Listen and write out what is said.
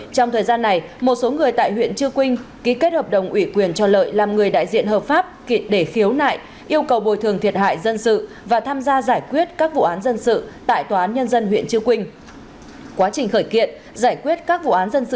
trong thời gian này một số người tại huyện chư quynh ký kết hợp đồng ủy quyền cho lợi làm người đại diện hợp pháp để khiếu nại yêu cầu bồi thường thiệt hại dân sự và tham gia giải quyết các vụ án dân sự tại tòa án nhân dân huyện chư quynh